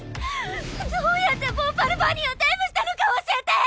どうやってヴォーパルバニーをテイムしたのか教えて！